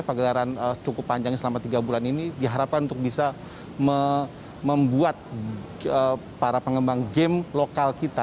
pagelaran cukup panjang selama tiga bulan ini diharapkan untuk bisa membuat para pengembang game lokal kita